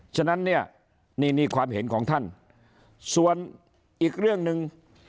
ฉะนั้นเนี่ยนี่ความเห็นของท่านส่วนอีกเรื่องหนึ่ง